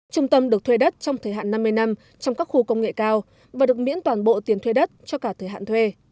trung tâm được thuê đất trong thời hạn năm mươi năm trong các khu công nghệ cao và được miễn toàn bộ tiền thuê đất cho cả thời hạn thuê